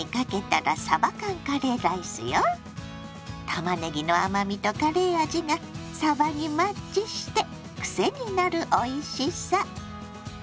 たまねぎの甘みとカレー味がさばにマッチしてクセになるおいしさ！